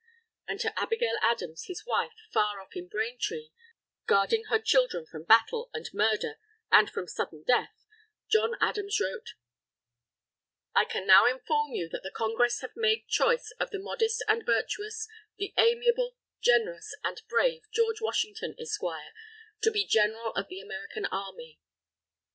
And to Abigail Adams, his wife, far off in Braintree, guarding her children from battle, and murder, and from sudden death, John Adams wrote: "I can now inform you, that the Congress have made choice of the modest and virtuous, the amiable, generous, and brave George Washington, Esquire, to be General of the American Army."